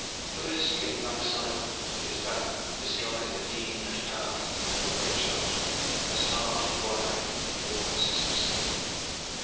First came Black Simon with his banner, bestriding a lean and powerful dapple gray charger, as hard and wiry and warwise as himself.